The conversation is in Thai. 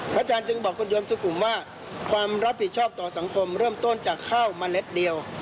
อาจารย์จึงบอกคุณโยมสุขุมว่าความรับผิดชอบต่อสังคมเริ่มต้นจากข้าวเมล็ดเดียว